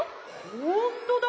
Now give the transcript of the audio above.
ほんとだ！